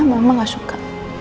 mama gak suka